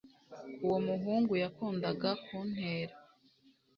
uwo muhungu yakundaga kuntera